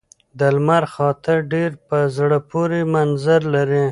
د لمر خاته ډېر په زړه پورې منظر لري.